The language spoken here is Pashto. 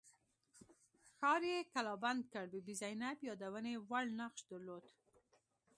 ښار یې کلابند کړ بي بي زینب یادونې وړ نقش درلود.